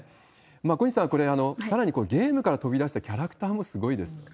小西さん、これ、さらにゲームから飛び出してキャラクターもすごいですよね。